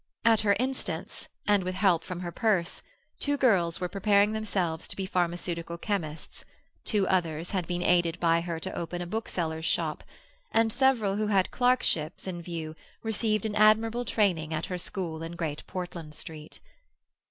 At her instance, and with help from her purse, two girls were preparing themselves to be pharmaceutical chemists; two others had been aided by her to open a bookseller's shop; and several who had clerkships in view received an admirable training at her school in Great Portland Street.